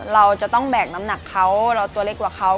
เราจะต้องแบกน้ำหนักเขาเราตัวเล็กกว่าเขา